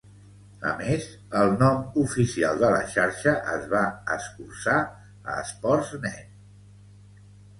A més, el nom oficial de la xarxa es va escurçar a Sportsnet.